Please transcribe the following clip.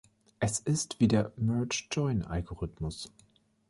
Es ist wie der Merge-Join-Algorithmus.